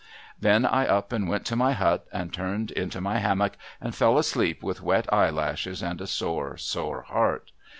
Then I up and Avent to my hut, and turned into my hammock, and fell asleep with wet eyelashes, and a sore, sore heart.